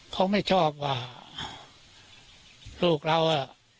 เขาไม่ชอบว่าลูกเราอ่ะ